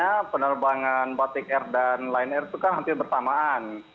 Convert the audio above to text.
karena penerbangan batik air dan lion air itu kan hampir bersamaan